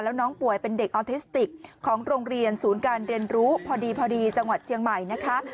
แล้วน้องป่วยเป็นเด็กออทิสติกของโรงเรียนศูนย์การเรียนรู้พอดีพอดีจังหวัดเชียงใหม่นะคะ